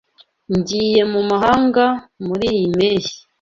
Ngiye mu mahanga muriyi mpeshyi.